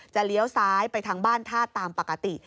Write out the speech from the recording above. เลี้ยวซ้ายไปทางบ้านท่าตามปกติ